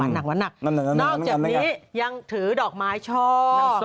นอกจากนี้ยังถือดอกไม้ชอบ